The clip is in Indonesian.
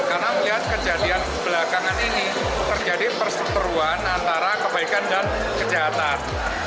karena melihat kejadian belakangan ini terjadi persekutuan antara kebaikan dan kejahatan